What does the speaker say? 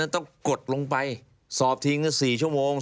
ต้องกดลงไปสอบทิ้ง๔ชั่วโมง